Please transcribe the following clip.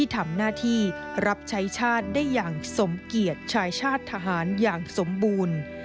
ทำหน้าที่รับใช้ชาติได้อย่างสมเกียจชายชาติทหารอย่างสมบูรณ์